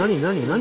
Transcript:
何？